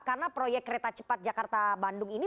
karena proyek reta cepat jakarta bandung ini